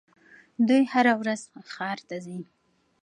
دوی هره ورځ ښار ته ځي.